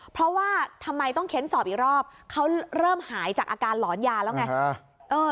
เพราะว่าทำไมต้องเค้นสอบอีกรอบเขาเริ่มหายจากอาการหลอนยาแล้วไง